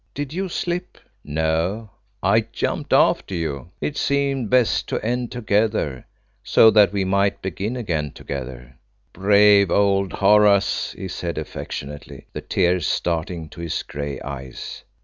Did you slip?" "No; I jumped after you. It seemed best to end together, so that we might begin again together." "Brave old Horace!" he said affectionately, the tears starting to his grey eyes.